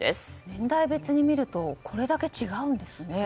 年代別に見るとこれだけ違うんですね。